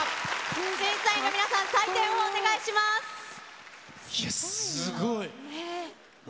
審査員の皆さん、採点をお願いや、すごい。